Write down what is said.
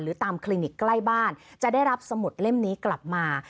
ตามคลินิกใกล้บ้านจะได้รับสมุดเล่มนี้กลับมา